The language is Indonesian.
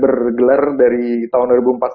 bergelar dari tahun dua ribu empat belas